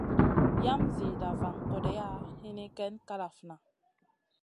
Yam zida van kodeya hini ken ma kalafna.